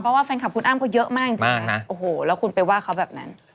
เพราะว่าแฟนคลับคุณอ้ำก็เยอะมากจริงนะโอ้โหแล้วคุณไปว่าเขาแบบนั้น